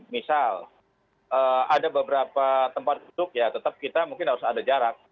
misalnya misalnya di terminal ada beberapa tempat duduk ya tetap kita mungkin harus ada jarak